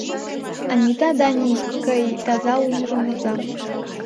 Анита Дани кый таза улмыжым воза.